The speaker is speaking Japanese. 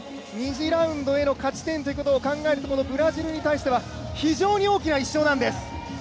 ２次ラウンドへの勝ち点ということを考えるとこのブラジルに対しては非常に大きな一勝なんです。